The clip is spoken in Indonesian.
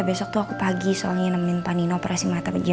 besok tuh aku pagi soalnya nemenin pak nino operasi mata jam enam